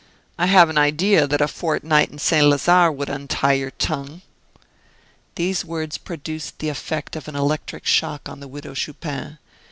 I have an idea that a fortnight in Saint Lazare would untie your tongue." These words produced the effect of an electric shock on the Widow Chupin.